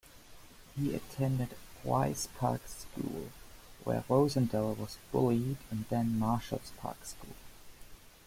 He attended Rise Park School, where Rosindell was bullied, and then Marshalls Park School.